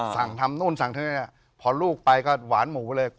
สั่งทำนู่นสั่งที่นี่พอลูกไปก็หวานหมูเลย